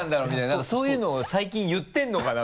なんかそういうのを最近言ってるのかな？